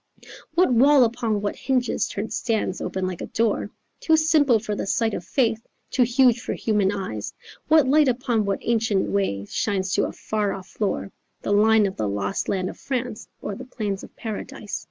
What wall upon what hinges turned stands open like a door? Too simple for the sight of faith, too huge for human eyes, What light upon what ancient way shines to a far off floor, The line of the lost land of France or the plains of Paradise?